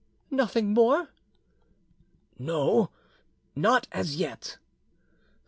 "Nothing more?" "No, not as yet."